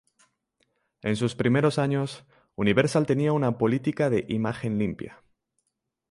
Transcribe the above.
En sus primeros años, Universal tenía una política de "imagen limpia".